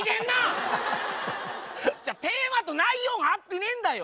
テーマと内容が合ってねえんだよ！